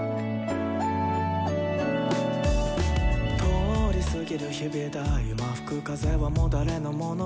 「通り過ぎる日々だ今吹く風はもう誰の物？」